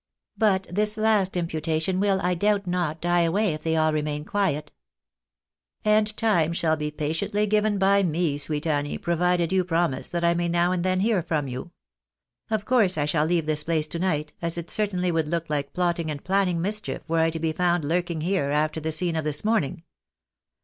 But this last imputation will, I doubt not, die away, if they aU remain quiet." S30 THE BARNABYS IN AMERICA. " And time shall be patiently giyen by me, sweet Annie, pro vided you promise that I may now and then hear from you. Of course I shall leave this place to night, as it certainly would look like plotting and planning mischief were I to be found lurking here, after the scene of this morning.